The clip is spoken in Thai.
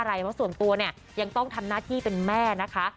เพราะส่วนตัวเนี่ยยังต้องทำหน้าที่เป็นแม่นะคะ